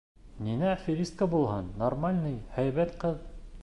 Ниңә аферистка булһын, нормальный, һәйбәт ҡыҙ.